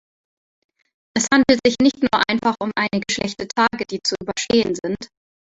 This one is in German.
Es handelt sich nicht nur einfach um einige schlechte Tage, die zu überstehen sind.